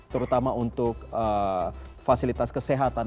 terutama untuk fasilitas kesehatan